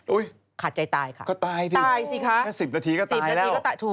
อุ๊ยก็ตายสิค่ะแค่๑๐นาทีก็ตายแล้ว